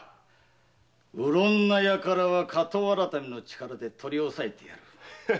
うろんな輩は火盗改めの力で取り押さえてやる。